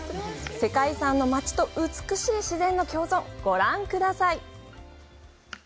世界遺産の街と、美しい自然の共存、ご覧ください。